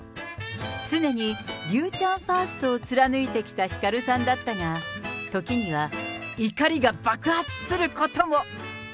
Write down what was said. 常に竜ちゃんファーストを貫いてきたひかるさんだったが、ときには怒りが爆発することも。